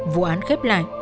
vụ án khép lại